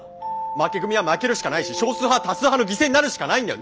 負け組は負けるしかないし少数派は多数派の犠牲になるしかないんだよ！